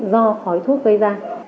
do khói thuốc gây ra